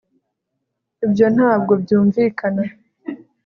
ibyo ntabwo byumvikana